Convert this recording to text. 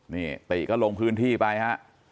นี่ติก็ลงพื้นที่ไปฮะ